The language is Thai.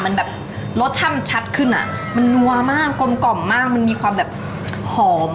ขออนุญาตนะครับพี่หนูขอลาดลงไปที่ไก่นะครับ